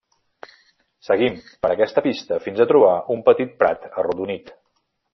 Seguim per aquesta pista fins a trobar un petit prat arrodonit.